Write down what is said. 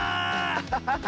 アハハハ！